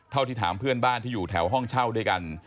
ที่ถามเพื่อนบ้านที่อยู่แถวห้องเช่าด้วยกัน